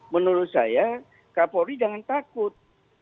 menurut saya kapolri jangan takut